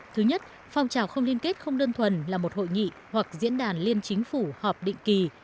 thứ nhất phong trào không liên kết không đơn thuần là một hội nghị hoặc diễn đàn liên chính phủ họp định kỳ